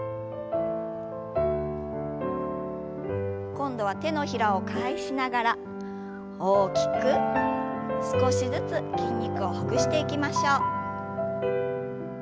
今度は手のひらを返しながら大きく少しずつ筋肉をほぐしていきましょう。